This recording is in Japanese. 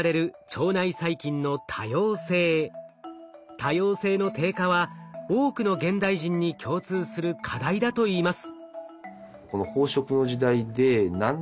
多様性の低下は多くの現代人に共通する課題だといいます。